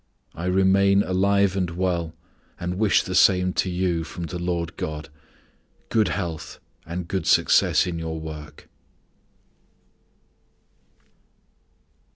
I remain alive and well and wish the same to you from the Lord God. Good health and good success in your work."